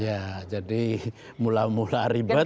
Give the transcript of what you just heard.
ya jadi mula mula ribet